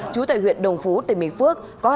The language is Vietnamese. trú tại huyện đồng phú tỉnh bình phước